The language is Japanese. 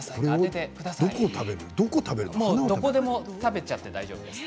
どこでも食べちゃって大丈夫です。